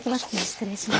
失礼します。